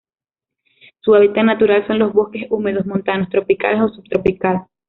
Su hábitat natural son los bosques húmedos montanos tropicales o subtropical.